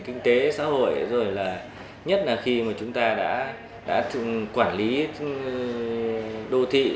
kinh tế xã hội nhất là khi chúng ta đã quản lý đô thị